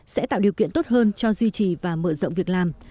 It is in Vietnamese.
sẽ tạo điều kiện tốt hơn cho duy trì và mở rộng việc làm